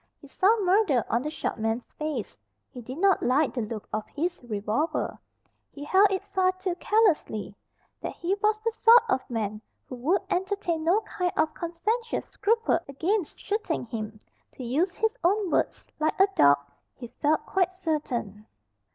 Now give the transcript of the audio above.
He saw murder on the short man's face. He did not like the look of his revolver. He held it far too carelessly. That he was the sort of man who would entertain no kind of conscientious scruple against shooting him, to use his own words, like a dog, he felt quite certain.